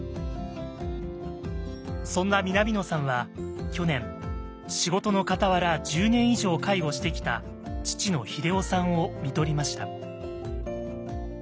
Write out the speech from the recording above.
そんな南野さんは去年仕事のかたわら１０年以上介護してきた父の英夫さんをみとりました。